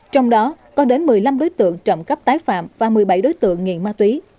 trong đó có đến một mươi năm đối tượng trộm cắp tái phạm và một mươi bảy đối tượng nghiện ma túy